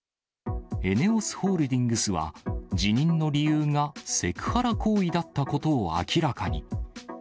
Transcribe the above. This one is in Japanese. ＥＮＥＯＳホールディングスは辞任の理由がセクハラ行為だったことを明らかに。